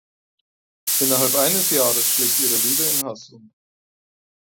Innerhalb eines Jahres schlägt ihre Liebe in Hass um.